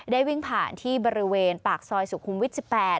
วิ่งผ่านที่บริเวณปากซอยสุขุมวิทย์๑๘